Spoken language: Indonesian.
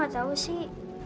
masa bapak gak tau sih